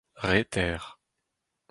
reter